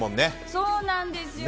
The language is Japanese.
そうなんですよ。